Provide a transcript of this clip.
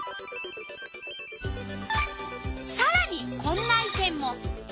さらにこんな意見も。